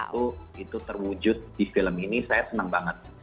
dan itu terwujud di film ini saya senang banget